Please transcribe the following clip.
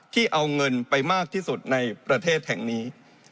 ที่เอาเงินไปมากที่สุดในประเทศแห่งนี้